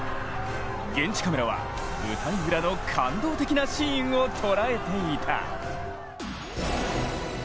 現地カメラは舞台裏の感動的なシーンを捉えていた。